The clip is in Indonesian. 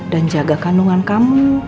dan jaga kandungan kamu